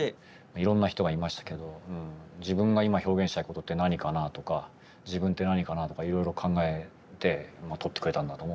いろんな人がいましたけど自分が今表現したいことって何かなとか自分って何かなとかいろいろ考えて撮ってくれたんだと思うんですよ。